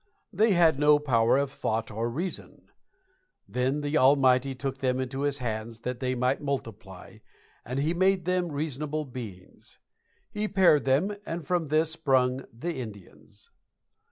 They had no power of thought or reason. Then the Almighty took them into his hands that they might multiply, and he made them reasonable beings. He paired them, and from this sprung the Indians.